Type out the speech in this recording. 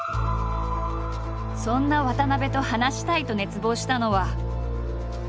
そんな渡部と話したいと熱望したのは。